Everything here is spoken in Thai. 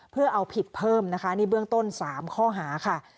เพื่อเอาผิดเพิ่มนะคะนี่เบื้องต้น๓ข้อหาค่ะ